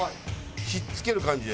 引っ付ける感じで。